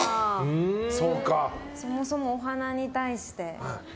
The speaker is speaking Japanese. そもそもお花に対して。